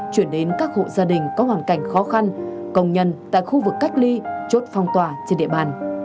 chuyển đến các hộ gia đình có hoàn cảnh khó khăn công nhân tại khu vực cách ly chốt phong tòa